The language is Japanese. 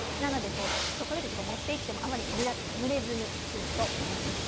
チョコレートとか持って行ってもあまりぬれずに済むと思います。